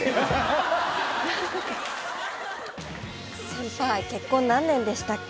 「先輩結婚何年でしたっけ？」